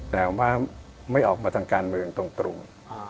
แต่ว่าไม่ออกมาทางการเมืองตรง